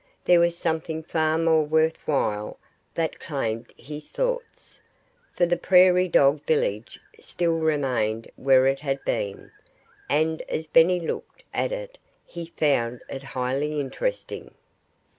There was something far more worth while that claimed his thoughts. For the prairie dog village still remained where it had been. And as Benny looked at it he found it highly interesting.